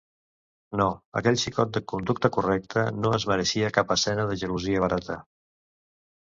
No, aquell xicot de conducta correcta no es mereixia cap escena de gelosia barata.